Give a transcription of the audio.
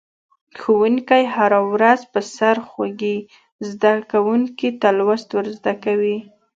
ښوونکی هره ورځ په سرخوږي زده کونکو ته لوست ور زده کوي.